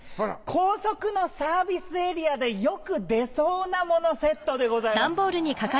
高速のサービスエリアでよく出そうなものセットでございます。